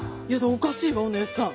おかしいわお姉さん。